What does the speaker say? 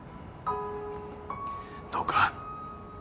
どうか